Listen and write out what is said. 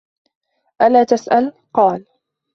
أَلَا تَسْأَلُ ؟ قَالَ